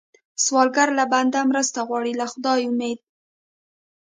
سوالګر له بنده مرسته غواړي، له خدایه امید